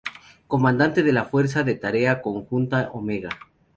Comandante de la Fuerza de Tarea Conjunta Omega.